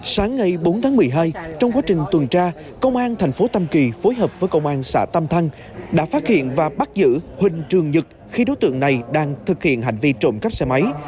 sáng ngày bốn tháng một mươi hai trong quá trình tuần tra công an thành phố tam kỳ phối hợp với công an xã tam thanh đã phát hiện và bắt giữ huỳnh trường nhật khi đối tượng này đang thực hiện hành vi trộm cắp xe máy